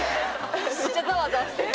めっちゃザワザワしてる。